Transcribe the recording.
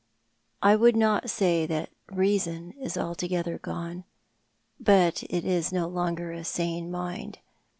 I would not say that reason is altogether gone, but it is no longer a sane mind.